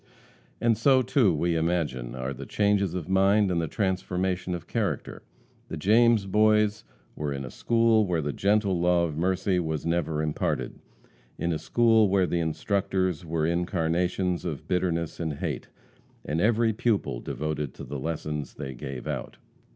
And so too, we imagine, are the changes of mind and the transformation of character. The James boys were in a school where the gentle law of mercy was never imparted; in a school where the instructors were incarnations of bitterness and hate, and every pupil devoted to the lessons they gave out.